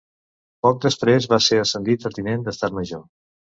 Poc després va ser ascendit a tinent d'Estat Major.